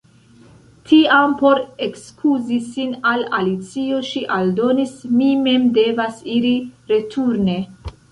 Tiam por ekskuzi sin al Alicio ŝi aldonis: "Mi mem devas iri returne. »